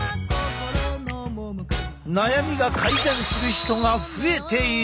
悩みが改善する人が増えている！